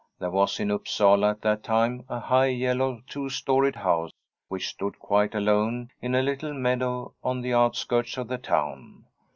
There was in Upsala at that time a high, yellow, two storied house, which stood quite alone in a little meadow on the outskirts of the town.